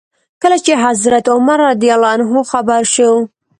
کله چې حضرت عمر خبر شو.